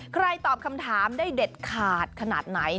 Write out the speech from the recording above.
ตอบคำถามได้เด็ดขาดขนาดไหน